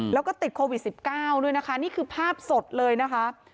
แล้วก็ติดโควิด๑๙ด้วยนะคะนี่คือภาพสดเลยนะคะ